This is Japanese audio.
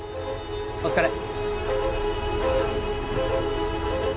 お疲れ。